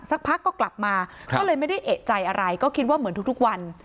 สักพักก็กลับมาก็เลยไม่ได้เอกใจอะไรก็คิดว่าเหมือนทุกวัน